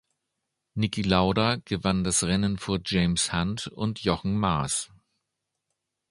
Niki Lauda gewann das Rennen vor James Hunt und Jochen Mass.